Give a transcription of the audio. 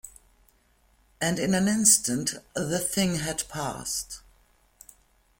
And in an instant the thing had passed.